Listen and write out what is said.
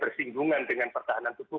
bersinggungan dengan pertahanan tubuh